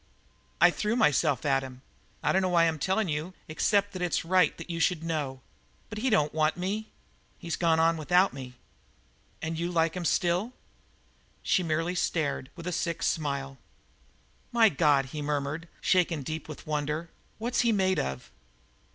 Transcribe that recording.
"I threw myself at him. I dunno why I'm tellin' you, except it's right that you should know. But he don't want me; he's gone on without me." "An' you like him still?" She merely stared, with a sick smile. "My God!" he murmured, shaken deep with wonder. "What's he made of?"